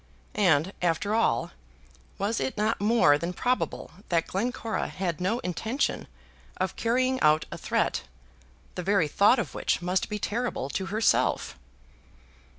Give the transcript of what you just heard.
And, after all, was it not more than probable that Glencora had no intention of carrying out a threat the very thought of which must be terrible to herself?